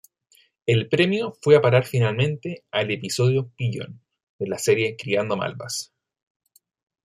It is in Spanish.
El premio fue a parar finalmente al episodio "Pigeon" de la serie Criando Malvas.